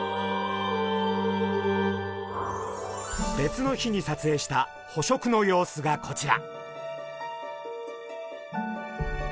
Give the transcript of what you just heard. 別の日にさつえいした捕食の様子がこちら。